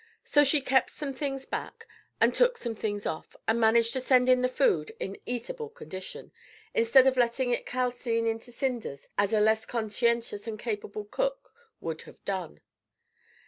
So she kept some things back, and took some things off, and managed to send in the food in an eatable condition, instead of letting it calcine into cinders as a less conscientious and capable cook would have done.